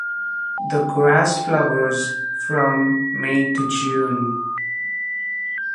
The grass flowers from May to June.